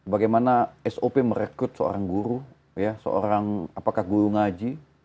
bagaimana sop merekrut seorang guru seorang apakah guru ngaji